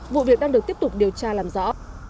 vụ việc đang được tiếp tục điều tra làm rõ